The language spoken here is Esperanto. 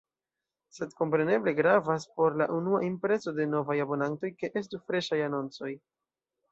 Sed kompreneble gravas por la unua impreso de novaj abonantoj, ke estu freŝaj anoncoj.